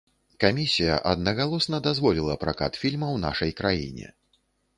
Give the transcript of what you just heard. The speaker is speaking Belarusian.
Камісія аднагалосна дазволіла пракат фільма ў нашай краіне.